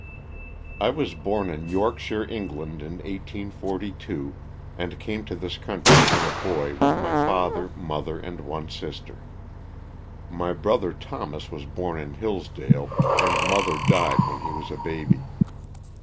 LOSS OF THE SULTANA. 335 T WAS born in Yorkshire, England, in 1842, and ^ came to this country when a boy with my father, mother and one sister. My brother Thomas was born in Hillsdale, and mother died when he was a baby.